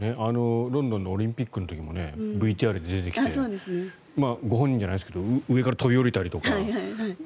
ロンドンのオリンピックの時もＶＴＲで出てきてご本人じゃないですけど上から飛び降りたりとか。